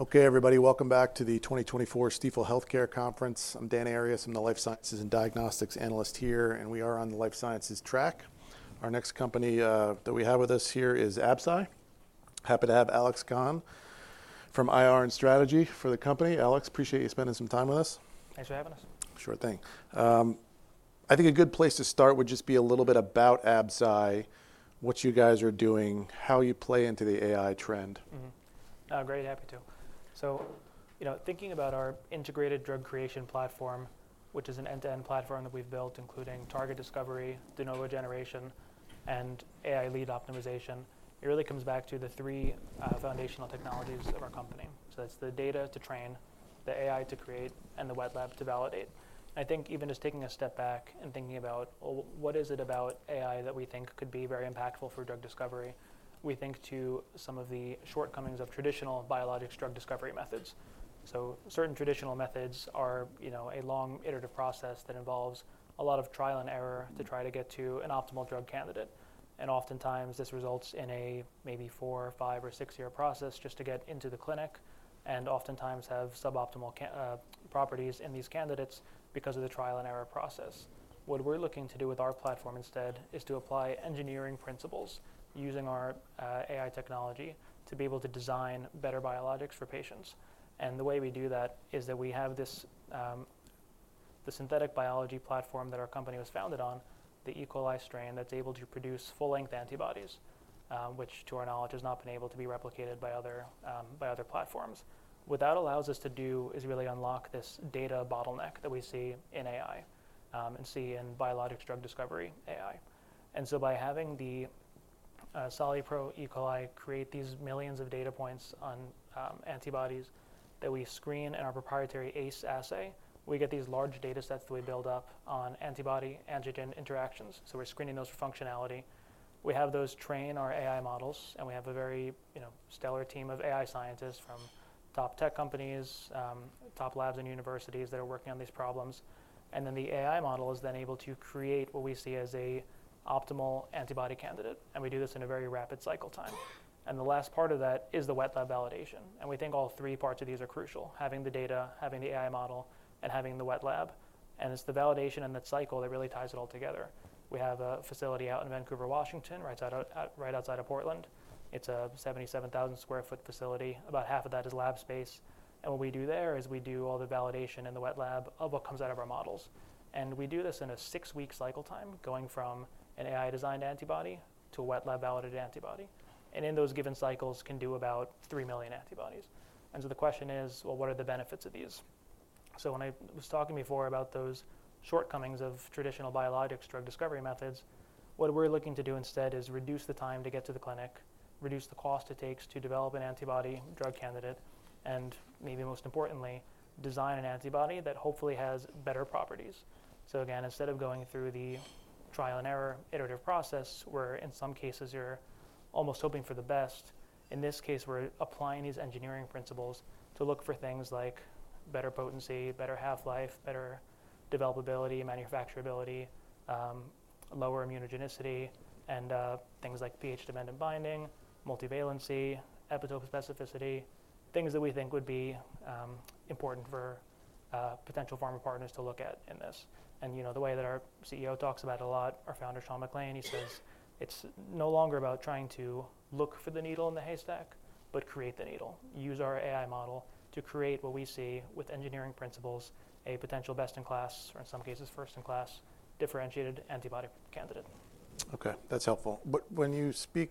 Okay, everybody, welcome back to the 2024 Stifel Healthcare Conference. I'm Dan Arias. I'm the Life Sciences and Diagnostics Analyst here, and we are on the Life Sciences track. Our next company that we have with us here is Absci. Happy to have Alex Khan from IR and Strategy for the company. Alex, appreciate you spending some time with us. Thanks for having us. Sure thing. I think a good place to start would just be a little bit about Absci, what you guys are doing, how you play into the AI trend. Great, happy to. So, you know, thinking about our Integrated Drug Creation Platform, which is an end-to-end platform that we've built, including target discovery, de novo generation, and AI lead optimization, it really comes back to the three foundational technologies of our company. So that's the data to train, the AI to create, and the wet lab to validate. And I think even just taking a step back and thinking about, well, what is it about AI that we think could be very impactful for drug discovery? We think to some of the shortcomings of traditional biologics drug discovery methods. So certain traditional methods are a long, iterative process that involves a lot of trial and error to try to get to an optimal drug candidate. And oftentimes this results in a maybe four, five, or six-year process just to get into the clinic and oftentimes have suboptimal properties in these candidates because of the trial and error process. What we're looking to do with our platform instead is to apply engineering principles using our AI technology to be able to design better biologics for patients. And the way we do that is that we have the synthetic biology platform that our company was founded on, the E. coli strain that's able to produce full-length antibodies, which to our knowledge has not been able to be replicated by other platforms. What that allows us to do is really unlock this data bottleneck that we see in AI and see in biologics drug discovery AI. And so by having the SoluPro E. coli create these millions of data points on antibodies that we screen in our proprietary ACE assay. We get these large data sets that we build up on antibody-antigen interactions. So we're screening those for functionality. We have those train our AI models, and we have a very stellar team of AI scientists from top tech companies, top labs, and universities that are working on these problems. And then the AI model is then able to create what we see as an optimal antibody candidate. And we do this in a very rapid cycle time. And the last part of that is the wet lab validation. And we think all three parts of these are crucial: having the data, having the AI model, and having the wet lab. And it's the validation and the cycle that really ties it all together. We have a facility out in Vancouver, Washington, right outside of Portland. It's a 77,000 sq ft facility. About half of that is lab space, and what we do there is we do all the validation in the wet lab of what comes out of our models, and we do this in a six-week cycle time, going from an AI-designed antibody to a wet lab validated antibody. And in those given cycles, can do about three million antibodies. And so the question is, well, what are the benefits of these? So when I was talking before about those shortcomings of traditional biologics drug discovery methods, what we're looking to do instead is reduce the time to get to the clinic, reduce the cost it takes to develop an antibody drug candidate, and maybe most importantly, design an antibody that hopefully has better properties. Again, instead of going through the trial and error iterative process, where in some cases you're almost hoping for the best, in this case, we're applying these engineering principles to look for things like better potency, better half-life, better developability, manufacturability, lower immunogenicity, and things like pH-dependent binding, multivalency, epitope specificity, things that we think would be important for potential pharma partners to look at in this. The way that our CEO talks about it a lot, our founder, Sean McClain, he says, it's no longer about trying to look for the needle in the haystack, but create the needle. Use our AI model to create what we see with engineering principles, a potential best-in-class, or in some cases, first-in-class, differentiated antibody candidate. Okay, that's helpful. When you speak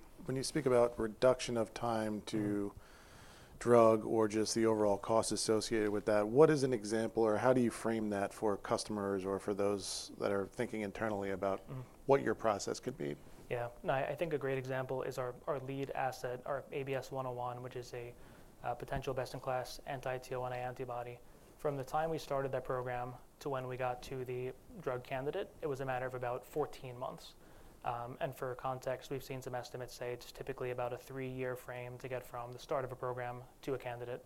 about reduction of time to drug or just the overall cost associated with that, what is an example or how do you frame that for customers or for those that are thinking internally about what your process could be? Yeah, I think a great example is our lead asset, our ABS-101, which is a potential best-in-class anti-TL1A antibody. From the time we started that program to when we got to the drug candidate, it was a matter of about 14 months. For context, we've seen some estimates say it's typically about a three-year frame to get from the start of a program to a candidate.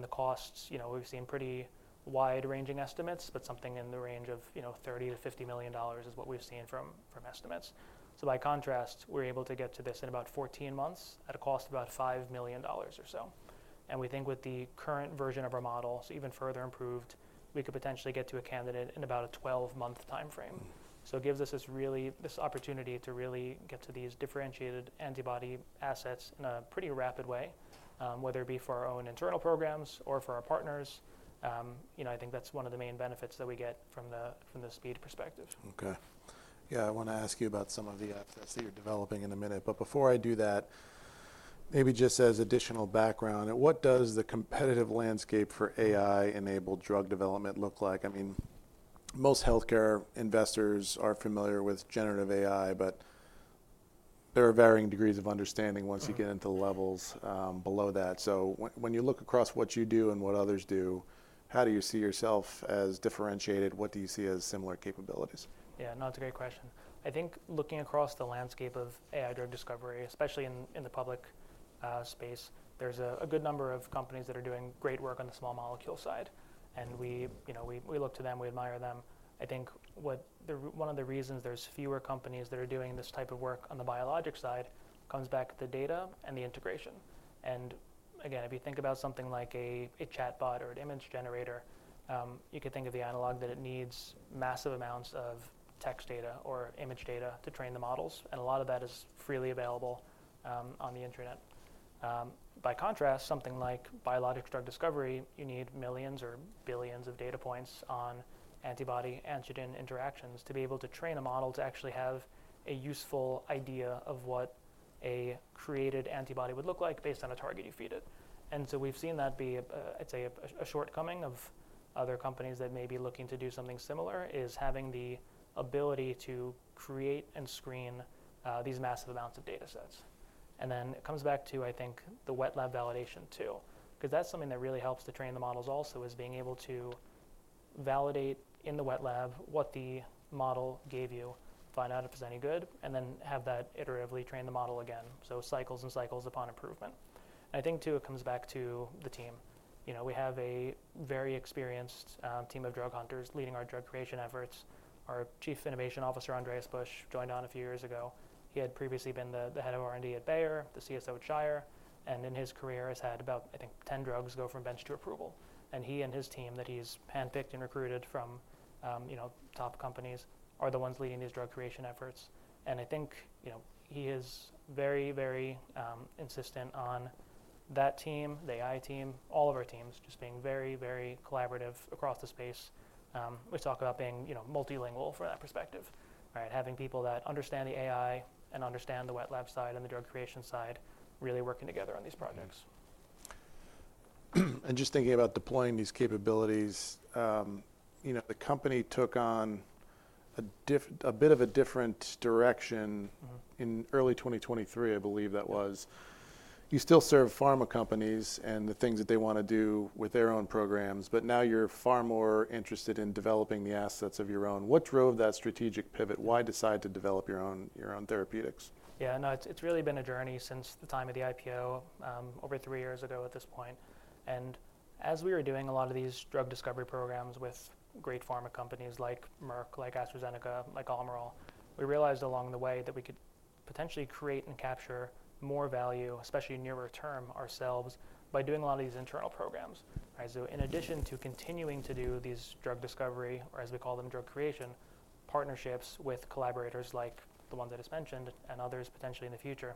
The costs, we've seen pretty wide-ranging estimates, but something in the range of $30 million-$50 million is what we've seen from estimates. By contrast, we're able to get to this in about 14 months at a cost of about $5 million or so. We think with the current version of our model, so even further improved, we could potentially get to a candidate in about a 12-month time frame. So it gives us this opportunity to really get to these differentiated antibody assets in a pretty rapid way, whether it be for our own internal programs or for our partners. I think that's one of the main benefits that we get from the speed perspective. Okay. Yeah, I want to ask you about some of the assets that you're developing in a minute. But before I do that, maybe just as additional background, what does the competitive landscape for AI-enabled drug development look like? I mean, most healthcare investors are familiar with generative AI, but there are varying degrees of understanding once you get into levels below that. So when you look across what you do and what others do, how do you see yourself as differentiated? What do you see as similar capabilities? Yeah, no, it's a great question. I think looking across the landscape of AI drug discovery, especially in the public space, there's a good number of companies that are doing great work on the small molecule side. And we look to them, we admire them. I think one of the reasons there's fewer companies that are doing this type of work on the biologics side comes back to the data and the integration. And again, if you think about something like a chatbot or an image generator, you could think of the analog that it needs massive amounts of text data or image data to train the models. And a lot of that is freely available on the internet. By contrast, something like biologics drug discovery, you need millions or billions of data points on antibody-antigen interactions to be able to train a model to actually have a useful idea of what a created antibody would look like based on a target you feed it. And so we've seen that be, I'd say, a shortcoming of other companies that may be looking to do something similar is having the ability to create and screen these massive amounts of data sets. And then it comes back to, I think, the wet lab validation too, because that's something that really helps to train the models also is being able to validate in the wet lab what the model gave you, find out if it's any good, and then have that iteratively train the model again. So cycles and cycles upon improvement. And I think too it comes back to the team. We have a very experienced team of drug hunters leading our drug creation efforts. Our Chief Innovation Officer, Andreas Busch, joined on a few years ago. He had previously been the head of R&D at Bayer, the CSO at Shire, and in his career has had about, I think, 10 drugs go from bench to approval, and he and his team that he's handpicked and recruited from top companies are the ones leading these drug creation efforts, and I think he is very, very insistent on that team, the AI team, all of our teams just being very, very collaborative across the space. We talk about being multilingual from that perspective, having people that understand the AI and understand the wet lab side and the drug creation side really working together on these projects. Just thinking about deploying these capabilities, the company took on a bit of a different direction in early 2023, I believe that was. You still serve pharma companies and the things that they want to do with their own programs, but now you're far more interested in developing the assets of your own. What drove that strategic pivot? Why decide to develop your own therapeutics? Yeah, no, it's really been a journey since the time of the IPO, over three years ago at this point, and as we were doing a lot of these drug discovery programs with great pharma companies like Merck, like AstraZeneca, like Almirall, we realized along the way that we could potentially create and capture more value, especially in nearer term, ourselves by doing a lot of these internal programs, so in addition to continuing to do these drug discovery, or as we call them, drug creation partnerships with collaborators like the one that is mentioned and others potentially in the future,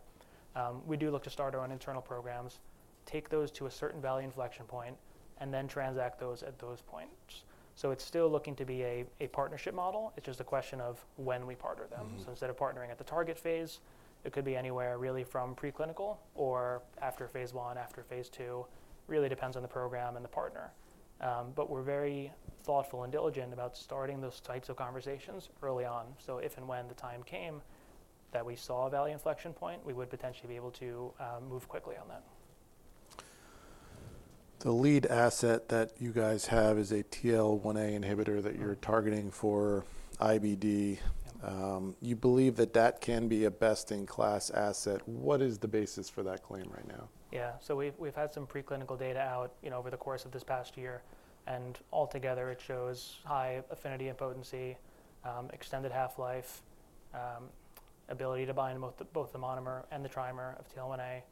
we do look to start our own internal programs, take those to a certain value inflection point, and then transact those at those points, so it's still looking to be a partnership model. It's just a question of when we partner them. So instead of partnering at the target phase, it could be anywhere really from preclinical or after phase I, after phase II. It really depends on the program and the partner. But we're very thoughtful and diligent about starting those types of conversations early on. So if and when the time came that we saw a value inflection point, we would potentially be able to move quickly on that. The lead asset that you guys have is a TL1A inhibitor that you're targeting for IBD. You believe that that can be a best-in-class asset. What is the basis for that claim right now? Yeah, so we've had some preclinical data out over the course of this past year, and altogether, it shows high affinity and potency, extended half-life, ability to bind both the monomer and the trimer of TL1A,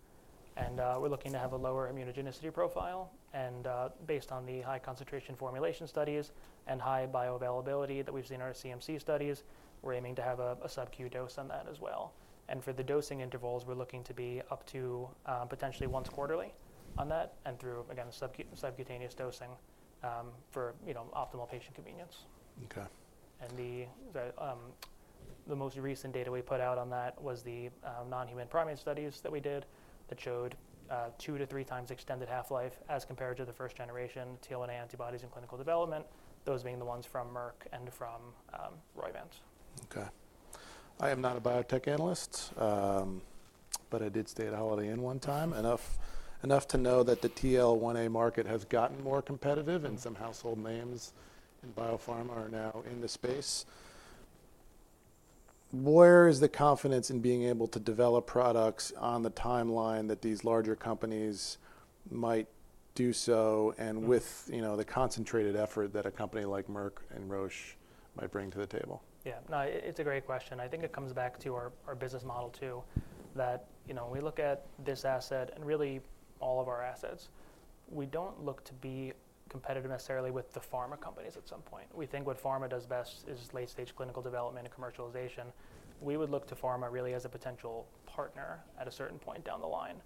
and we're looking to have a lower immunogenicity profile, and based on the high concentration formulation studies and high bioavailability that we've seen in our CMC studies, we're aiming to have a sub-Q dose on that as well, and for the dosing intervals, we're looking to be up to potentially once quarterly on that and through, again, subcutaneous dosing for optimal patient convenience, and the most recent data we put out on that was the non-human primate studies that we did that showed two to three times extended half-life as compared to the first-generation TL1A antibodies in clinical development, those being the ones from Merck and from Roivant. Okay. I am not a biotech analyst, but I did stay at Holiday Inn one time, enough to know that the TL1A market has gotten more competitive and some household names in biopharma are now in the space. Where is the confidence in being able to develop products on the timeline that these larger companies might do so and with the concentrated effort that a company like Merck and Roche might bring to the table? Yeah, no, it's a great question. I think it comes back to our business model too that when we look at this asset and really all of our assets, we don't look to be competitive necessarily with the pharma companies at some point. We think what pharma does best is late-stage clinical development and commercialization. We would look to pharma really as a potential partner at a certain point down the line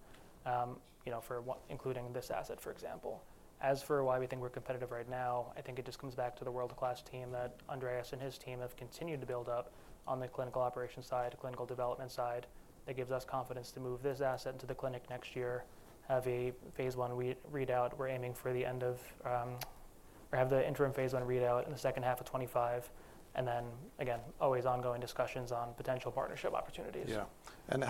for including this asset, for example. As for why we think we're competitive right now, I think it just comes back to the world-class team that Andreas and his team have continued to build up on the clinical operations side, clinical development side. That gives us confidence to move this asset into the clinic next year, have a phase one readout. We're aiming for the end of 2024 or have the interim phase 1 readout in the second half of 2025, and then, again, always ongoing discussions on potential partnership opportunities. Yeah, and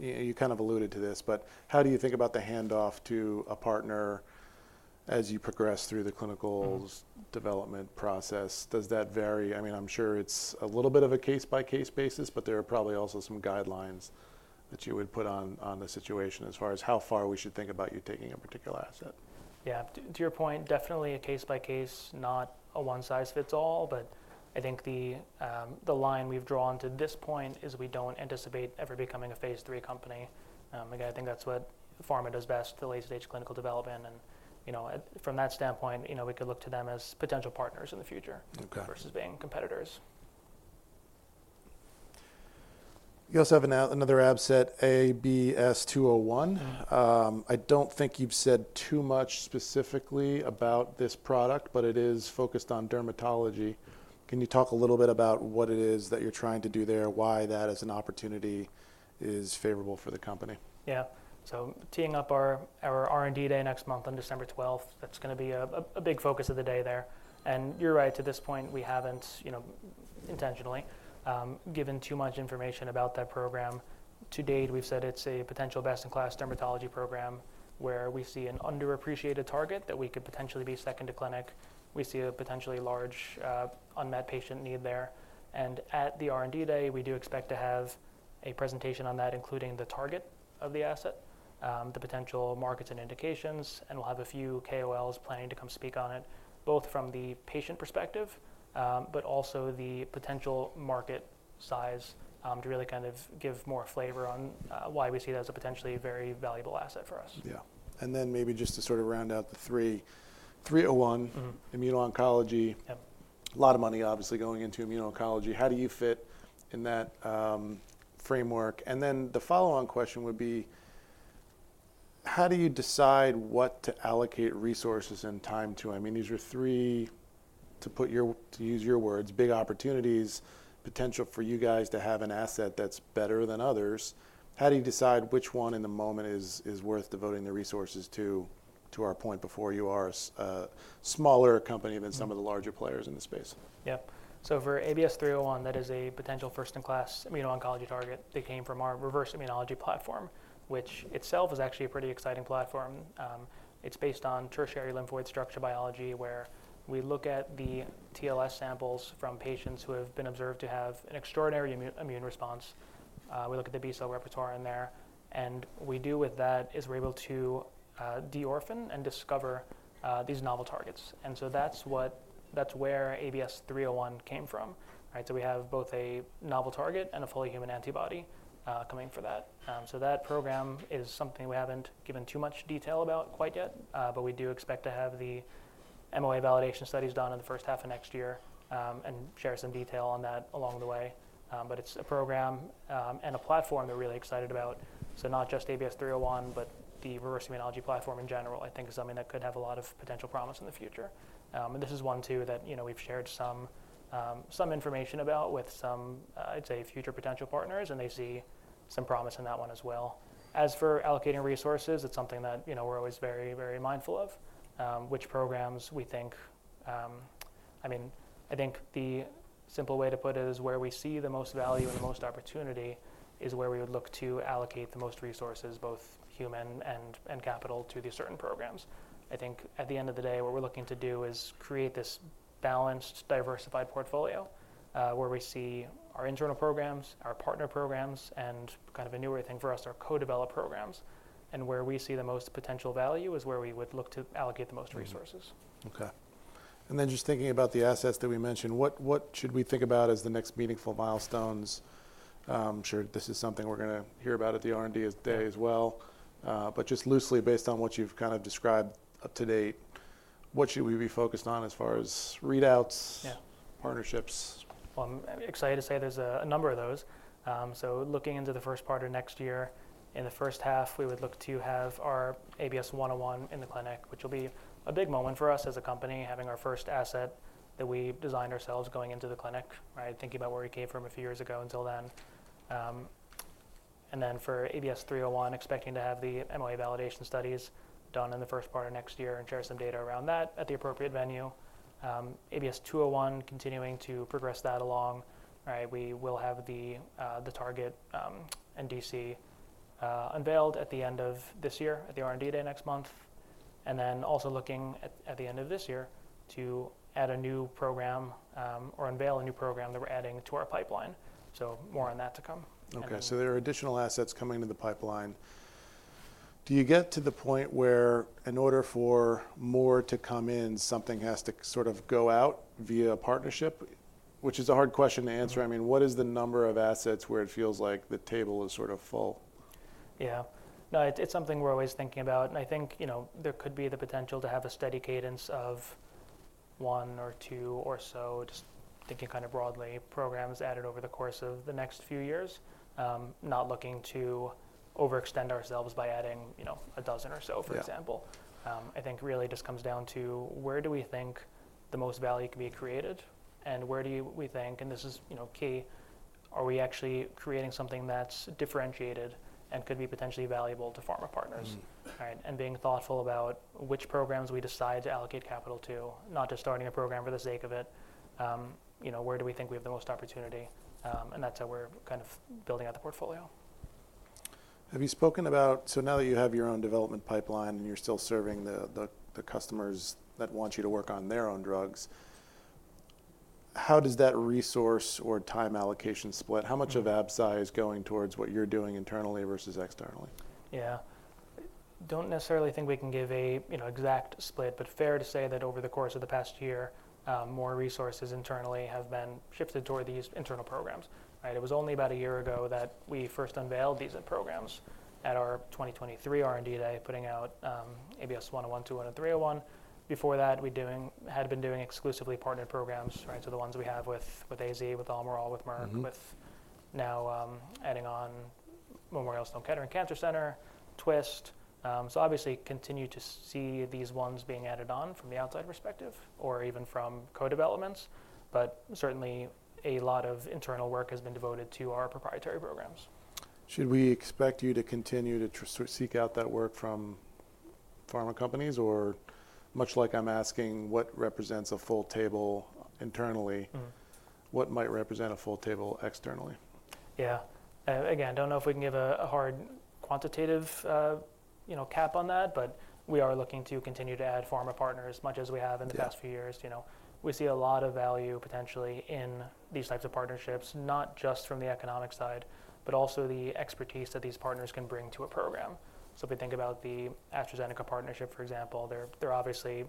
you kind of alluded to this, but how do you think about the handoff to a partner as you progress through the clinical development process? Does that vary? I mean, I'm sure it's a little bit of a case-by-case basis, but there are probably also some guidelines that you would put on the situation as far as how far we should think about you taking a particular asset. Yeah, to your point, definitely a case-by-case, not a one-size-fits-all. But I think the line we've drawn to this point is we don't anticipate ever becoming a phase III company. Again, I think that's what pharma does best, the late-stage clinical development. And from that standpoint, we could look to them as potential partners in the future versus being competitors. You also have another asset, ABS-201. I don't think you've said too much specifically about this product, but it is focused on dermatology. Can you talk a little bit about what it is that you're trying to do there, why that as an opportunity is favorable for the company? Yeah, so teeing up our R&D Day next month on December 12th, that's going to be a big focus of the day there. And you're right, to this point, we haven't intentionally given too much information about that program. To date, we've said it's a potential best-in-class dermatology program where we see an underappreciated target that we could potentially be second to clinic. We see a potentially large unmet patient need there. And at the R&D Day, we do expect to have a presentation on that, including the target of the asset, the potential markets and indications. And we'll have a few KOLs planning to come speak on it, both from the patient perspective, but also the potential market size to really kind of give more flavor on why we see that as a potentially very valuable asset for us. Yeah. And then maybe just to sort of round out the 301, immuno-oncology. A lot of money obviously going into immuno-oncology. How do you fit in that framework? And then the follow-on question would be, how do you decide what to allocate resources and time to? I mean, these are three, to use your words, big opportunities, potential for you guys to have an asset that's better than others. How do you decide which one in the moment is worth devoting the resources to? To our point before, you are a smaller company than some of the larger players in the space. Yeah. So for ABS-301, that is a potential first-in-class immuno-oncology target. They came from our Reverse Immunology platform, which itself is actually a pretty exciting platform. It's based on tertiary lymphoid structure biology where we look at the TLS samples from patients who have been observed to have an extraordinary immune response. We look at the B-cell repertoire in there. And what we do with that is we're able to deorphan and discover these novel targets. And so that's where ABS-301 came from. So we have both a novel target and a fully human antibody coming for that. So that program is something we haven't given too much detail about quite yet, but we do expect to have the MOA validation studies done in the first half of next year and share some detail on that along the way. But it's a program and a platform they're really excited about. So not just ABS-301, but the Reverse Immunology platform in general, I think is something that could have a lot of potential promise in the future. And this is one too that we've shared some information about with some, I'd say, future potential partners, and they see some promise in that one as well. As for allocating resources, it's something that we're always very, very mindful of, which programs we think. I mean, I think the simple way to put it is where we see the most value and the most opportunity is where we would look to allocate the most resources, both human and capital to these certain programs. I think at the end of the day, what we're looking to do is create this balanced, diversified portfolio where we see our internal programs, our partner programs, and kind of a newer thing for us, our co-developed programs, and where we see the most potential value is where we would look to allocate the most resources. Okay. And then just thinking about the assets that we mentioned, what should we think about as the next meaningful milestones? I'm sure this is something we're going to hear about at the R&D Day as well. But just loosely based on what you've kind of described up to date, what should we be focused on as far as readouts, partnerships? I'm excited to say there's a number of those. Looking into the first part of next year, in the first half, we would look to have our ABS-101 in the clinic, which will be a big moment for us as a company, having our first asset that we designed ourselves going into the clinic, thinking about where we came from a few years ago until then. Then for ABS-301, expecting to have the MOA validation studies done in the first part of next year and share some data around that at the appropriate venue. ABS-201, continuing to progress that along. We will have the target IND unveiled at the end of this year at the R&D Day next month. Then also looking at the end of this year to add a new program or unveil a new program that we're adding to our pipeline. So more on that to come. Okay. So there are additional assets coming to the pipeline. Do you get to the point where in order for more to come in, something has to sort of go out via a partnership, which is a hard question to answer. I mean, what is the number of assets where it feels like the table is sort of full? Yeah. No, it's something we're always thinking about. And I think there could be the potential to have a steady cadence of one or two or so, just thinking kind of broadly, programs added over the course of the next few years, not looking to overextend ourselves by adding a dozen or so, for example. I think really just comes down to where do we think the most value can be created and where do we think, and this is key, are we actually creating something that's differentiated and could be potentially valuable to pharma partners? And being thoughtful about which programs we decide to allocate capital to, not just starting a program for the sake of it. Where do we think we have the most opportunity? And that's how we're kind of building out the portfolio. Have you spoken about, so now that you have your own development pipeline and you're still serving the customers that want you to work on their own drugs, how does that resource or time allocation split? How much of Absci going towards what you're doing internally versus externally? Yeah. Don't necessarily think we can give an exact split, but fair to say that over the course of the past year, more resources internally have been shifted toward these internal programs. It was only about a year ago that we first unveiled these programs at our 2023 R&D Day, putting out ABS-101, 201, and 301. Before that, we had been doing exclusively partnered programs, so the ones we have with AZ, with Almirall, with Merck, with now adding on Memorial Sloan Kettering Cancer Center, Twist. So obviously continue to see these ones being added on from the outside perspective or even from co-developments. But certainly a lot of internal work has been devoted to our proprietary programs. Should we expect you to continue to seek out that work from pharma companies? Or much like I'm asking what represents a full table internally, what might represent a full table externally? Yeah. Again, I don't know if we can give a hard quantitative cap on that, but we are looking to continue to add pharma partners as much as we have in the past few years. We see a lot of value potentially in these types of partnerships, not just from the economic side, but also the expertise that these partners can bring to a program. So if we think about the AstraZeneca partnership, for example, they're obviously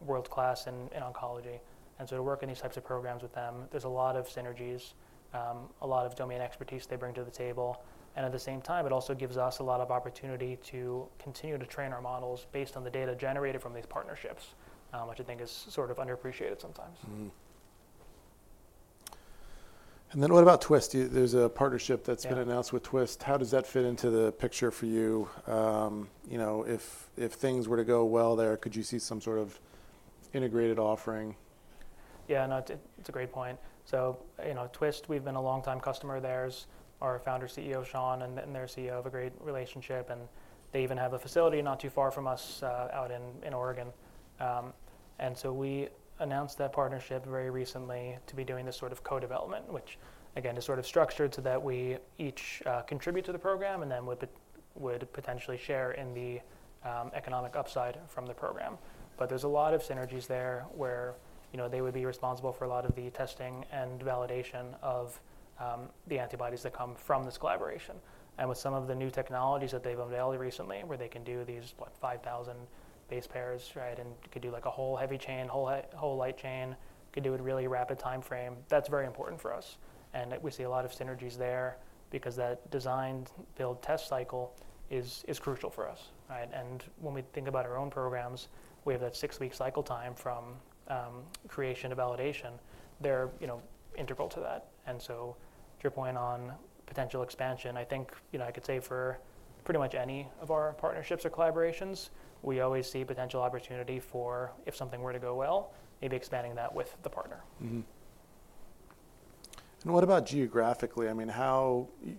world-class in oncology. And so to work in these types of programs with them, there's a lot of synergies, a lot of domain expertise they bring to the table. And at the same time, it also gives us a lot of opportunity to continue to train our models based on the data generated from these partnerships, which I think is sort of underappreciated sometimes. And then what about Twist? There's a partnership that's been announced with Twist. How does that fit into the picture for you? If things were to go well there, could you see some sort of integrated offering? Yeah, no, it's a great point. So Twist, we've been a long-time customer of theirs. Our founder and CEO, Sean, and their CEO have a great relationship. And they even have a facility not too far from us out in Oregon. And so we announced that partnership very recently to be doing this sort of co-development, which again is sort of structured so that we each contribute to the program and then would potentially share in the economic upside from the program. But there's a lot of synergies there where they would be responsible for a lot of the testing and validation of the antibodies that come from this collaboration. And with some of the new technologies that they've unveiled recently where they can do these 5,000 base pairs and could do like a whole heavy chain, whole light chain, could do it really rapid timeframe, that's very important for us. We see a lot of synergies there because that design-build-test cycle is crucial for us. When we think about our own programs, we have that six-week cycle time from creation to validation. They're integral to that. So to your point on potential expansion, I think I could say for pretty much any of our partnerships or collaborations, we always see potential opportunity for if something were to go well, maybe expanding that with the partner. What about geographically? I mean,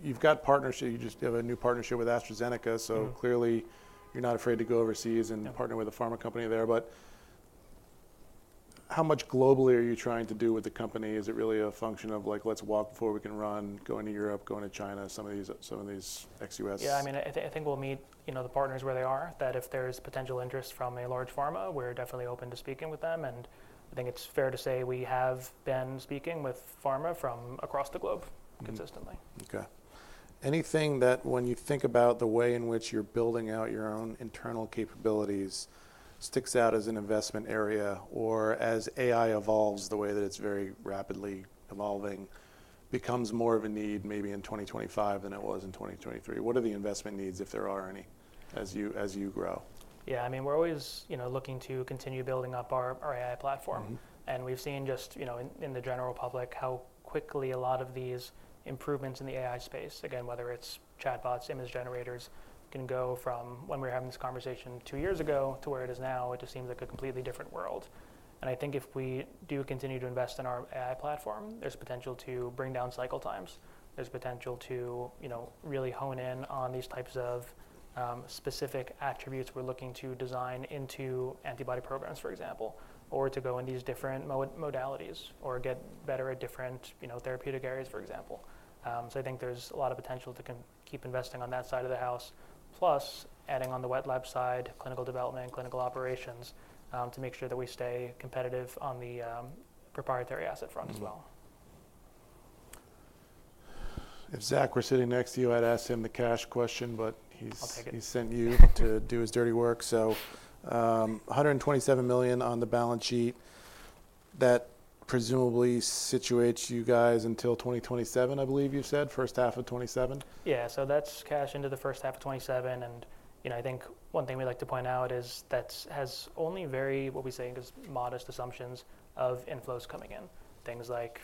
you've got partnership. You just have a new partnership with AstraZeneca, so clearly you're not afraid to go overseas and partner with a pharma company there. But how much globally are you trying to do with the company? Is it really a function of like, let's walk before we can run, go into Europe, go into China, some of these ex-U.S? Yeah, I mean, I think we'll meet the partners where they are, that if there's potential interest from a large pharma, we're definitely open to speaking with them, and I think it's fair to say we have been speaking with pharma from across the globe consistently. Okay. Anything that when you think about the way in which you're building out your own internal capabilities sticks out as an investment area or as AI evolves the way that it's very rapidly evolving, becomes more of a need maybe in 2025 than it was in 2023? What are the investment needs, if there are any, as you grow? Yeah, I mean, we're always looking to continue building up our AI platform. And we've seen just in the general public how quickly a lot of these improvements in the AI space, again, whether it's chatbots, image generators, can go from when we were having this conversation two years ago to where it is now, it just seems like a completely different world. And I think if we do continue to invest in our AI platform, there's potential to bring down cycle times. There's potential to really hone in on these types of specific attributes we're looking to design into antibody programs, for example, or to go in these different modalities or get better at different therapeutic areas, for example. So I think there's a lot of potential to keep investing on that side of the house, plus adding on the wet lab side, clinical development, clinical operations to make sure that we stay competitive on the proprietary asset front as well. If Zach were sitting next to you, I'd ask him the cash question, but he's sent you to do his dirty work. So $127 million on the balance sheet. That presumably situates you guys until 2027, I believe you said, first half of 2027? Yeah, so that's cash into the first half of 2027. And I think one thing we like to point out is that has only very, what we say is modest assumptions of inflows coming in, things like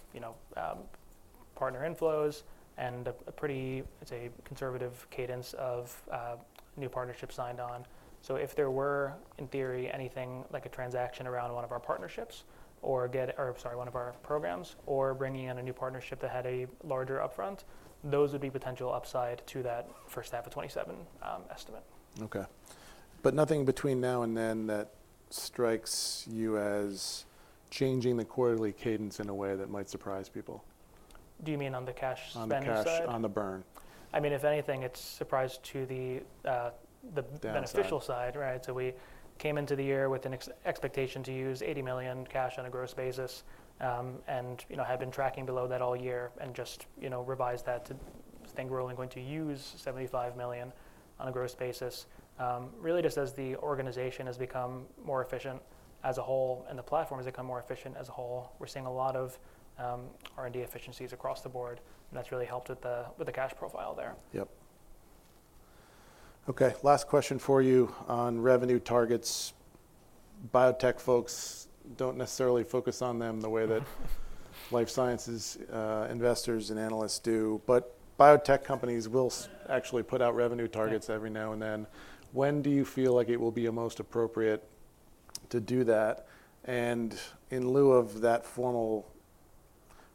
partner inflows and a pretty, I'd say, conservative cadence of new partnerships signed on. So if there were, in theory, anything like a transaction around one of our partnerships or, sorry, one of our programs or bringing in a new partnership that had a larger upfront, those would be potential upside to that first half of 2027 estimate. Okay. But nothing between now and then that strikes you as changing the quarterly cadence in a way that might surprise people? Do you mean on the cash spend side? On the cash, on the burn. I mean, if anything, it's surprised to the beneficial side. So we came into the year with an expectation to use $80 million cash on a gross basis and had been tracking below that all year and just revised that to think we're only going to use $75 million on a gross basis. Really just as the organization has become more efficient as a whole and the platform has become more efficient as a whole, we're seeing a lot of R&D efficiencies across the board, and that's really helped with the cash profile there. Yep. Okay, last question for you on revenue targets. Biotech folks don't necessarily focus on them the way that life sciences investors and analysts do, but biotech companies will actually put out revenue targets every now and then. When do you feel like it will be most appropriate to do that? And in lieu of that formal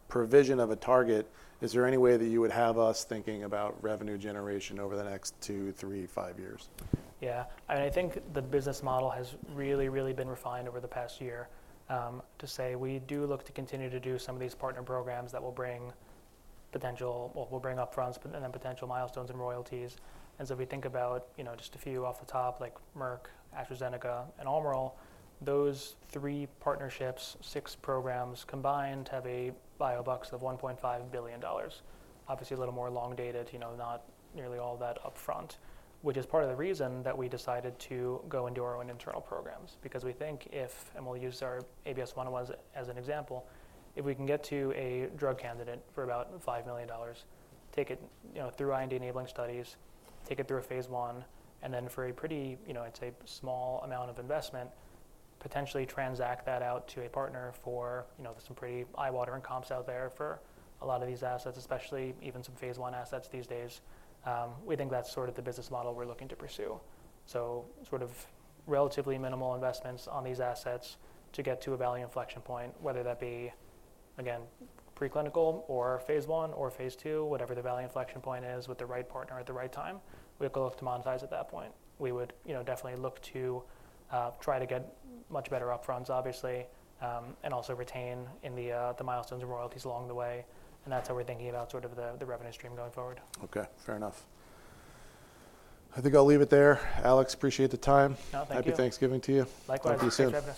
provision of a target, is there any way that you would have us thinking about revenue generation over the next two, three, five years? Yeah. I mean, I think the business model has really, really been refined over the past year to say we do look to continue to do some of these partner programs that will bring potential, well, will bring upfronts and then potential milestones and royalties. And so if we think about just a few off the top like Merck, AstraZeneca, and Almirall, those three partnerships, six programs combined have a biobucks of $1.5 billion. Obviously, a little more long-dated, not nearly all that upfront, which is part of the reason that we decided to go into our own internal programs because we think if, and we'll use our ABS-101 as an example, if we can get to a drug candidate for about $5 million, take it through IND enabling studies, take it through a phase I, and then for a pretty, I'd say, small amount of investment, potentially transact that out to a partner for some pretty eye-watering comps out there for a lot of these assets, especially even some phase I assets these days. We think that's sort of the business model we're looking to pursue. So sort of relatively minimal investments on these assets to get to a value inflection point, whether that be, again, preclinical or phase I or phase II, whatever the value inflection point is with the right partner at the right time, we'll go off to monetize at that point. We would definitely look to try to get much better upfronts, obviously, and also retain in the milestones and royalties along the way. And that's how we're thinking about sort of the revenue stream going forward. Okay, fair enough. I think I'll leave it there. Alex, appreciate the time. No, thank you. Happy Thanksgiving to you. Likewise. Talk to you soon.